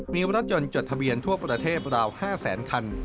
มีรถยนต์จดทะเบียนทั่วประเทศราว๕แสนคัน